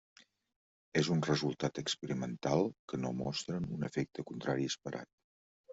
És un resultat experimental que no mostren un efecte contrari esperat.